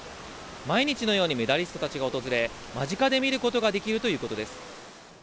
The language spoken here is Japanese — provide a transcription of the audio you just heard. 毎日のようにメダリストたちが訪れ、間近で見ることができるということです。